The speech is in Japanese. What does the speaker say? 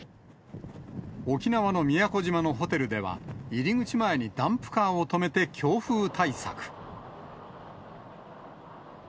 沖縄の宮古島のホテルでは、入り口前にダンプカーを止めて強風対策。